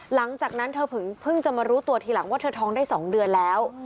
หลังจากนั้นเธอเพิ่งจะมารู้ตัวทีหลังว่าเธอท้องได้๒เดือนแล้ว